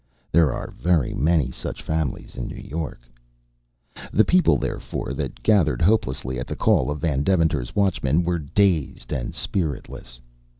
There are very many such families in New York. The people, therefore, that gathered hopelessly at the call of Van Deventer's watchmen were dazed and spiritless.